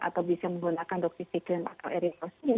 atau bisa menggunakan doksisiklin atau eritrosin